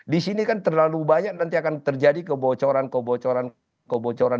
di sini kan terlalu banyak nanti akan terjadi kebocoran kebocoran kebocoran